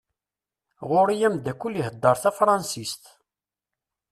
Ɣur-i amdakel ihedder tafransist.